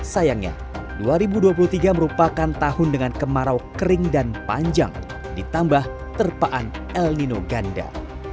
sayangnya dua ribu dua puluh tiga merupakan tahun dengan kemarau kering dan panjang ditambah terpaan el nino ganda